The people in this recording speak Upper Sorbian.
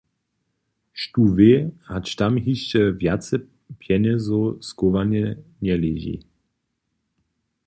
Štó wě, hač tam hišće wjace pjenjezow schowanych njeleži.